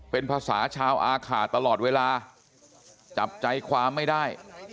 เป็นภาษาชาวอาขาตลอดเวลาจับใจความไม่ได้